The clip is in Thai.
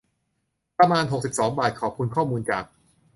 ประมาณ หกสิบสอง บาท ขอบคุณข้อมูลจาก